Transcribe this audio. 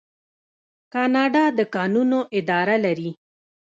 کاناډا د کانونو اداره لري.